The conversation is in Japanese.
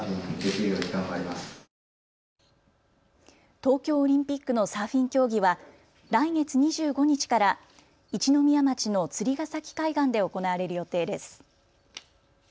東京オリンピックのサーフィン競技は来月２５日から一宮町の釣ヶ崎海岸で行われる予定です。